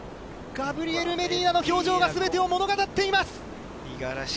ガブリエル・メディーナの表情がすべてを物語っています。